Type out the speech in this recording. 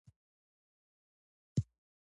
موږ باید د ځمکې منابع خوندي کړو.